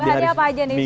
bahannya apa aja nih